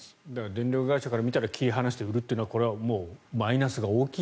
電力会社から見たら切り離して売るというのはこれはマイナスが大きいと。